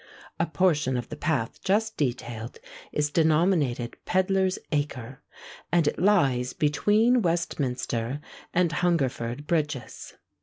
A portion of the path just detailed is denominated Pedlar's Acre; and it lies between Westminster and Hungerford Bridges.